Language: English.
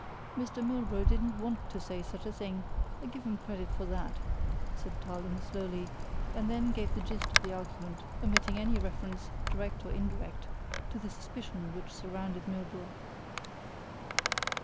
"Mr. Milburgh didn't want to say such a thing, I give him credit for that," said Tarling slowly, and then gave the gist of the argument, omitting any reference, direct or indirect, to the suspicion which surrounded Milburgh.